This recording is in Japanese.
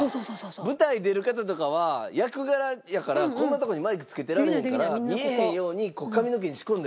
舞台出る方とかは役柄やからこんなとこにマイクつけてられへんから見えへんように髪の毛に仕込んだりするんですよ。